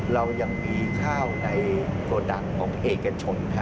เรายังมีข้าวในโปรดักต์ของเอกชนค่ะ